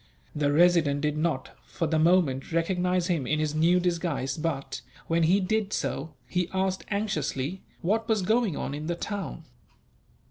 The Resident did not, for the moment, recognize him in his new disguise but, when he did so, he asked anxiously what was going on in the town.